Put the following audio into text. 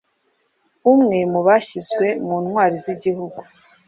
umwe mu bashyizwe mu Ntwari z’igihugu